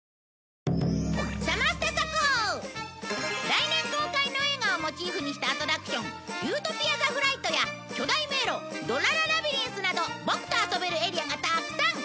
来年公開の映画をモチーフにしたアトラクション理想郷ザ・フライトや巨大迷路ドラ・ラ・ラビリンスなどボクと遊べるエリアがたーくさん！